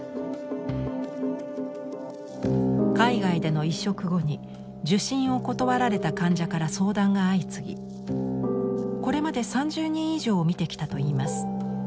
海外での移植後に受診を断られた患者から相談が相次ぎこれまで３０人以上を診てきたといいます。